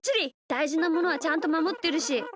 だいじなものはちゃんとまもってるし。